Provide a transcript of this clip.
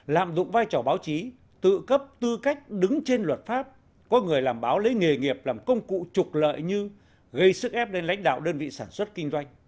lạm dụng vai trò báo chí tự cấp tư cách đứng trên luật pháp có người làm báo lấy nghề nghiệp làm công cụ trục lợi như gây sức ép đến lãnh đạo đơn vị sản xuất kinh doanh